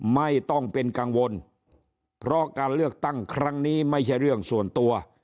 ไม่ต้องเป็นกังวลเพราะการเลือกตั้งครั้งนี้ไม่ใช่เรื่องส่วนตัว